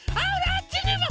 あっちにも！